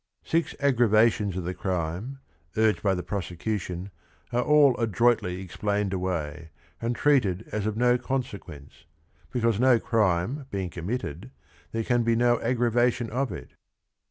Six aggravations of the crime, urged by the prose cution, are all adroitly explained away, and treated as of no consequence, because no crime being committed, there can be no aggravation of it.